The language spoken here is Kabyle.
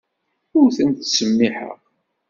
Ur ten-ttsemmiḥeɣ.